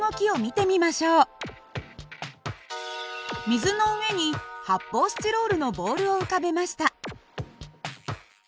水の上に発泡スチロールのボールを浮かべました。